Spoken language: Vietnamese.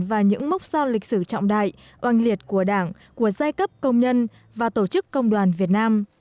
và những mốc son lịch sử trọng đại oanh liệt của đảng của giai cấp công nhân và tổ chức công đoàn việt nam